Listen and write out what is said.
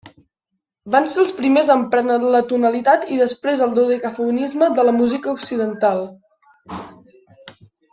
Van ser els primers a emprar l'atonalitat i després el dodecafonisme en la música occidental.